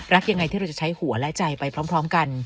ยังไงที่เราจะใช้หัวและใจไปพร้อมกัน